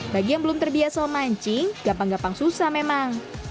bagi yang belum terbiasa memancing gampang gampang susah memang